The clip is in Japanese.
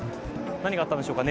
何があったんでしょうか。